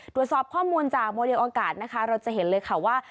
ตรวจสอบข้อมูลจากโมเดลอากาศนะคะเราจะเห็นเลยค่ะว่า